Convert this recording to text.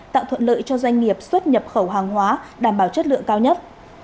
tạo thuận lợi cho doanh nghiệp xuất nhập khẩu hàng hóa đảm bảo chất lượng cao nhất